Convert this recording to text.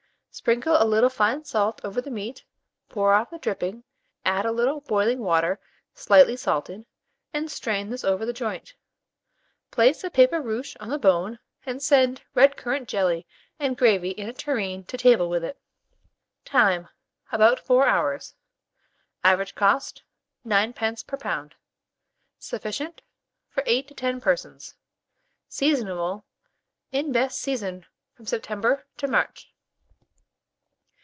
Sprinkle a little fine salt over the meat, pour off the dripping, add a little boiling water slightly salted, and strain this over the joint. Place a paper ruche on the bone, and send red currant jelly and gravy in a tureen to table with it. Time. About 4 hours. Average cost, 10d. per lb. Sufficient for 8 to 10 persons. Seasonable. In best season from September to March.